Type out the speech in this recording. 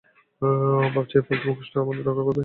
ভাবছো এই ফালতু মুখোশটা আমাদের রক্ষা করবে?